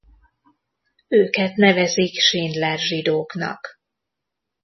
Őket nevezik Schindler-zsidóknak.